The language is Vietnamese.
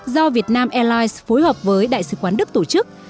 do việt nam airlines phối hợp với đại sứ quán đức tổ chức